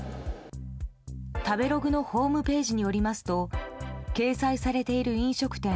食べログのホームページによりますと掲載されている飲食店